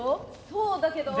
そうだけど。